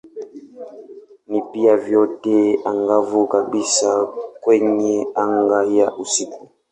Ni pia nyota angavu kabisa kwenye anga ya usiku.